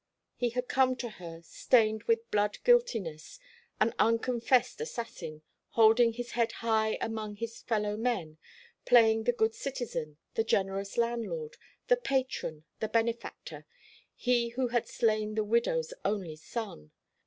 He had come to her stained with blood guiltiness an unconfessed assassin holding his head high among his fellow men, playing the good citizen, the generous landlord, the patron, the benefactor he who had slain the widow's only son.